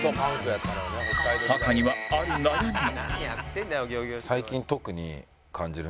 タカにはある悩みが